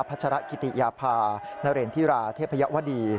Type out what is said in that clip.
พระชระกิติยาพานเรนธิราชเทพยาวดี